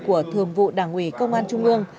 của thường vụ đảng ủy công an trung ương